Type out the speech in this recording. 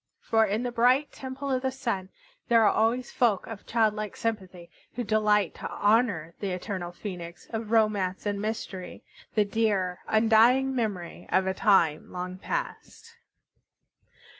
For in the bright Temple of the Sun there are always folk of childlike sympathy who delight to honor the eternal Phoenix of romance and mystery, the dear, undying memory of a time long past.